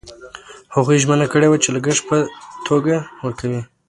هغوی ژمنه کړې وه چې لګښت په توګه ورکوي.